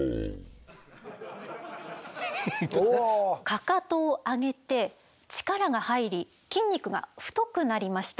かかとを上げて力が入り筋肉が太くなりました。